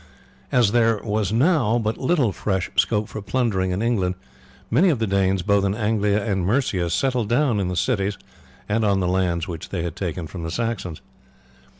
As there was now but little fresh scope for plundering in England many of the Danes both in Anglia and Mercia settled down in the cities and on the lands which they had taken from the Saxons.